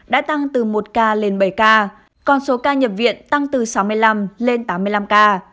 đã tăng từ một ca lên bảy ca còn số ca nhập viện tăng từ sáu mươi năm lên tám mươi năm ca